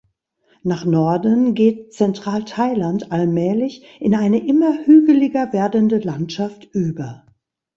Nach Norden geht Zentral-Thailand allmählich in eine immer hügeliger werdende Landschaft über.